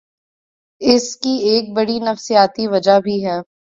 اس کی ایک بڑی نفسیاتی وجہ بھی ہے۔